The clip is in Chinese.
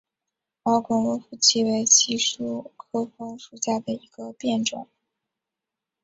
毛梗罗浮槭为槭树科枫属下的一个变种。